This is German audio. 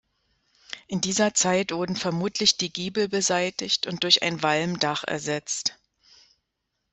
In dieser Zeit wurden vermutlich die Giebel beseitigt und durch ein Walmdach ersetzt.